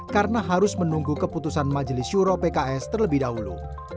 karena harus menunggu keputusan majelis juro pks terlebih dahulu